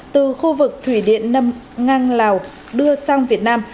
từ khu vực thủy điện năm ngang lào đưa sang việt nam